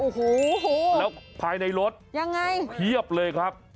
โอ้โหแล้วภายในรถยังไงเพียบเลยครับ